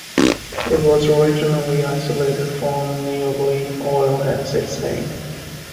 It was originally isolated from neroli oil, hence its name.